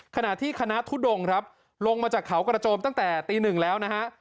ขณะที่คณะทุดงครับลงมาจากเขากระโจมตั้งแต่ตีหนึ่งแล้วนะฮะ